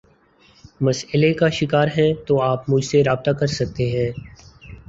مسلئے کا شکار ہیں تو آپ مجھ سے رابطہ کر سکتے ہیں